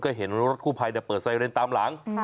ก็เห็นรถกู้ภัยเปิดไซเรนตามหลัง